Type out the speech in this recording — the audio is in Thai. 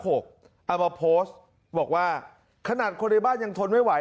เอามาโพสต์บอกว่าขนาดคนในบ้านยังทนไม่ไหว